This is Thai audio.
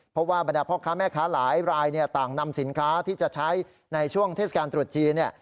เพราะว่าบรรดาพ่อค้าแม่ค้าหลายรายต่างนำสินค้าที่จะใช้ในช่วงเทศกาลตรุษจีน